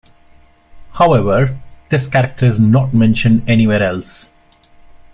However, this character is not mentioned anywhere else.